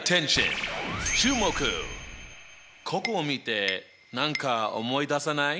ここを見て何か思い出さない？